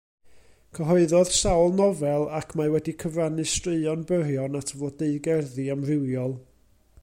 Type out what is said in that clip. Cyhoeddodd sawl nofel ac mae wedi cyfrannu straeon byrion at flodeugerddi amrywiol.